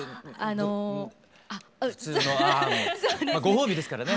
普通のあご褒美ですからね。